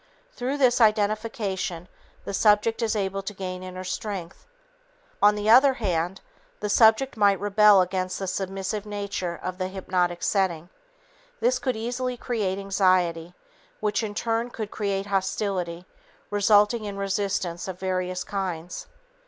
Through this identification, the subject is able to gain inner strength. On the other hand, the subject might rebel against the submissive nature of the hypnotic setting. This could easily create anxiety which, in turn, could create hostility resulting in resistance of various kinds.